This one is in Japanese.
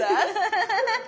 ハハハハハ。